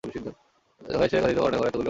ভয়ে সে কাঁদিতেও পারে না, ঘরে এতগুলি মানুষ।